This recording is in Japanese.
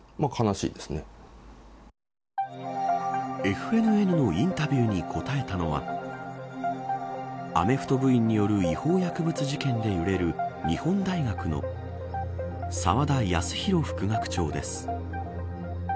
ＦＮＮのインタビューに答えたのはアメフト部員による違法薬物事件で揺れる日本大学の沢田康広副学長です。